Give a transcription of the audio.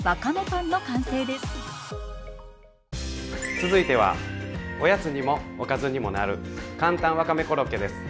続いてはおやつにもおかずにもなるかんたんわかめコロッケです。